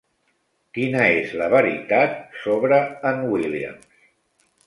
Quina és la veritat sobre en Williams?